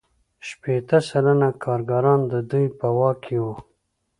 شپیته سلنه کارګران د دوی په واک کې وو